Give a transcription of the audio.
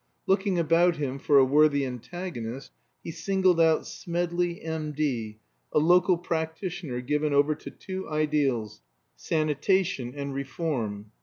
Looking about him for a worthy antagonist, he singled out Smedley, M.D., a local practitioner given over to two ideals sanitation and reform.